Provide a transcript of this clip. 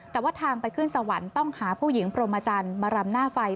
แต่ว่าทางไปขึ้นสวรรค์ต้องหาผู้หญิงพรหมจันทร์มารำหน้าไฟ